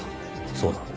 そうだ。